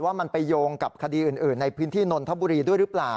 ว่ามันไปโยงกับคดีอื่นในพื้นที่นนทบุรีด้วยหรือเปล่า